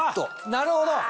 なるほど！